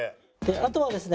あとはですね